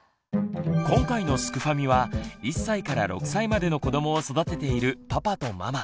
今回のすくファミは１歳から６歳までの子どもを育てているパパとママ。